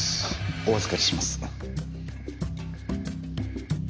お預かりします。